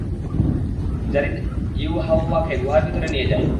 যারীদ ইউহাওয়াকে গুহার ভিতর নিয়ে যায়।